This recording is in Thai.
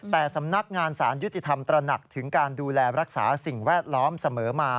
แต่สำนักงานสารยุติธรรมตระหนักถึงการดูแลรักษาสิ่งแวดล้อมเสมอมา